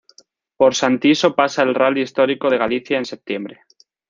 Por Santiso pasa el rally histórico de Galicia en septiembre.